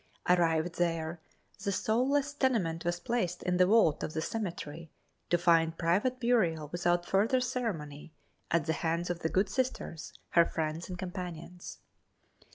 Arrived there the soulless tenement was placed in the vault of the cemetery, to find private burial without further ceremony at the hands of the good Sisters, her friends and companions.